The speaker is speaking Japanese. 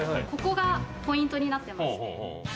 ここがポイントになってまして。